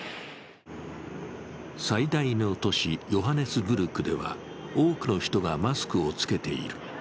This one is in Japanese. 最大の都市、ヨハネスブルクでは多くの人がマスクを付けている。